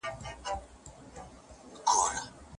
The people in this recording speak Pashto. په هند کې د خطي نسخو لپاره مرکزونه سته.